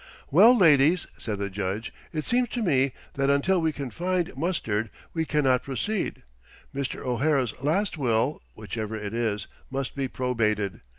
"Well, ladies," said the Judge, "it seems to me that until we can find Mustard we cannot proceed. Mr. O'Hara's last will whichever it is must be probated.